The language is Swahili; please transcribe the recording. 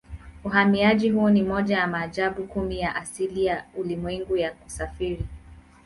Uhamiaji huo ni moja ya maajabu kumi ya asili ya ulimwengu ya kusafiri.